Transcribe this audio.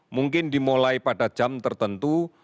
mungkin dimulai pada jam tertentu